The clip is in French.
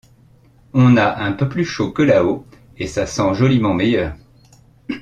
On a un peu plus chaud que là-haut, et ça sent joliment meilleur!